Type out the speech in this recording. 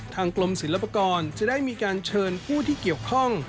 กรมศิลปากรจะได้มีการเชิญผู้ที่เกี่ยวข้อง